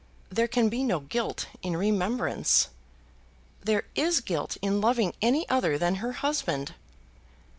There can be no guilt in her remembrance." "There is guilt in loving any other than her husband."